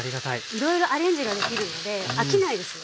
いろいろアレンジができるので飽きないですよ。